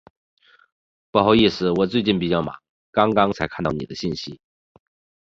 不好意思，我最近比较忙，刚刚才看到您的信息。